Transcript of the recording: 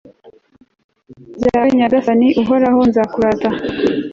byawe nyagasani (uhoraho), nzakurata iteka